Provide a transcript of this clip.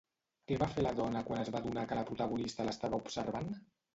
Què va fer la dona quan es va adonar que la protagonista l'estava observant?